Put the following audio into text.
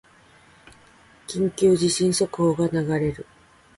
緊急地震速報が流れる